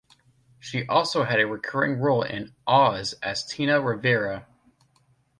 She also had a recurring role in "Oz" as Tina Rivera.